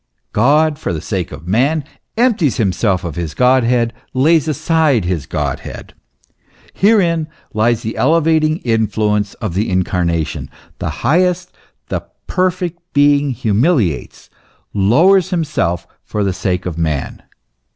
God for the sake of man empties himself of his Godhead, lays aside his Godhead. Herein lies the elevating influence of the Incarnation ; the highest, the perfect being humiliates, lowers himself for the sake of man.